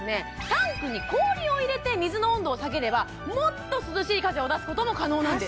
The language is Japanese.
タンクに氷を入れて水の温度を下げればもっと涼しい風を出すことも可能なんです